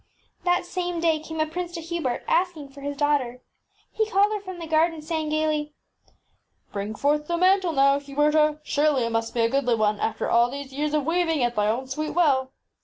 That same day came %fit aairabtrss a prince to Hubert, ask ing for his daughter. He called her from the gar den, saying, gaily, ŌĆśBring forth the mantle now, Huberta. Surely, it must be a goodly one after all these years of weaving at thy own sweet will.